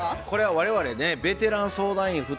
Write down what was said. これは我々ねベテラン相談員